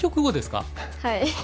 はい。